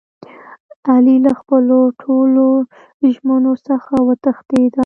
علي له خپلو ټولو ژمنو څخه و تښتېدا.